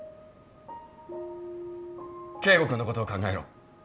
圭吾君のことを考えろ。